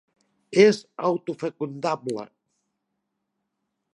És autofecundable.